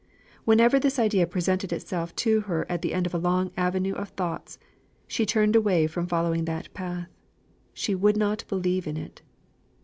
Whenever this idea presented itself to her at the end of a long avenue of thoughts, she turned away from following that path she would not believe in it.